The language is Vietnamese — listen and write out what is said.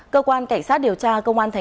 cơ quan cảnh sát điều tra công an tp hcm